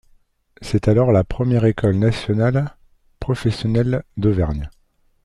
C'est alors la première école nationale professionnelle d'Auvergne.